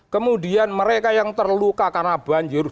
kemudian mereka yang terluka karena banjir